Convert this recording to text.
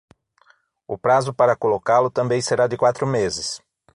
O prazo para colocá-lo também será de quatro meses.